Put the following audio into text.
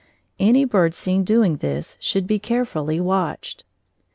Any bird seen doing this should be carefully watched.